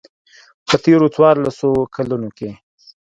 په تېرو څوارلسو کلونو کې.